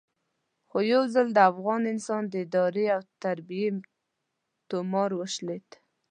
خو یو ځل د افغان انسان د ادارې او تربیې تومار وشلېد.